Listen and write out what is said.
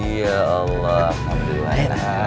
ya allah alhamdulillah